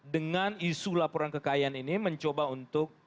dengan isu laporan kekayaan ini mencoba untuk mencari orang yang berintegritas